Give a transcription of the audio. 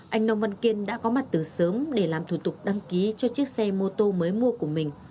anh nông văn kiên đã có mặt từ sớm để làm thủ tục đăng ký cho chiếc xe mô tô mới mua của mình